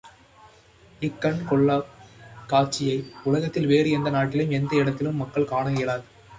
இக்கண் கொள்ளாக் காட்சியை உலகத்தில் வேறு எந்த நாட்டிலும், எந்த இடத்திலும் மக்கள் காண இயலாது.